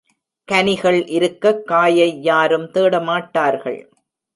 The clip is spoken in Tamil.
கனிகள் இருக்கக் காயை யாரும் தேடமாட்டார்கள்.